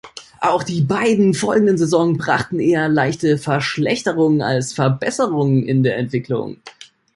Auch die beiden folgenden Saisonen brachten eher leichte Verschlechterungen als Verbesserungen in der Entwicklung.